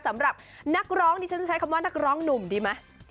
สำหรับนักร้องนี่ฉันจะใช้คำว่านักร้องหนุ่มดีไหม